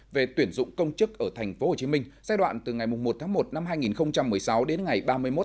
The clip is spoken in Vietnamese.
về tuyển dụng công chức ở tp hcm giai đoạn từ ngày một một hai nghìn một mươi sáu đến ngày ba mươi một một mươi hai hai nghìn một mươi tám